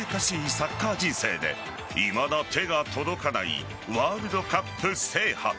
サッカー人生でいまだ手が届かないワールドカップ制覇。